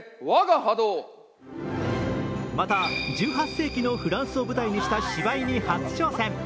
また１８世紀のフランスを舞台にした芝居に初挑戦。